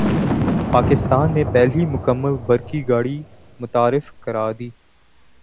پاکستان نے پہلی مکمل برقی گاڑی متعارف کرادی